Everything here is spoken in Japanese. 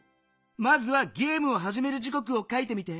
まずはゲームをはじめる時こくを書いてみて。